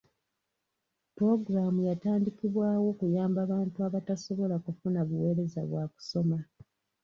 Puloogulaamu yatandikibwawo kuyamba bantu abatasobola kufuna buweereza bwa kusoma.